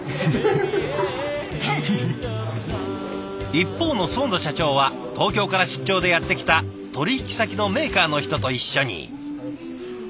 一方の囿田社長は東京から出張でやって来た取引先のメーカーの人と一緒に。